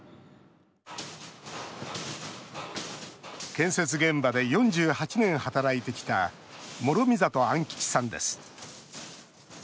建設現場で４８年働いてきた諸見里安吉さんです。